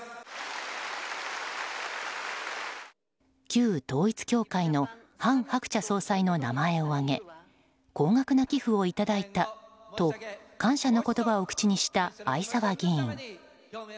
旧統一教会の韓鶴子総裁の名前を挙げ高額な寄付をいただいたと感謝の言葉を口にした逢沢議員。